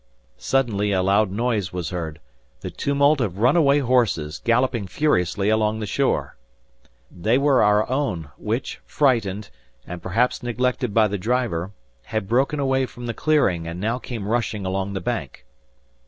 Suddenly a loud noise was heard, the tumult of run away horses, galloping furiously along the shore! They were our own, which, frightened, and perhaps neglected by the driver, had broken away from the clearing, and now came rushing along the bank.